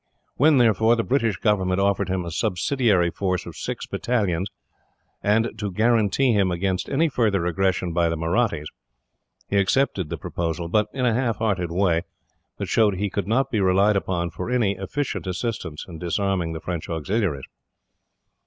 When, therefore, the British government offered him a subsidiary force of six battalions, and to guarantee him against any further aggression by the Mahrattis, he accepted the proposal; but in a half hearted way, that showed he could not be relied upon for any efficient assistance in disarming his French auxiliaries.